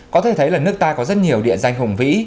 có thể thấy là nước ta có rất nhiều địa danh hùng vĩ